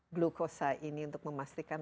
glukosa ini untuk memastikan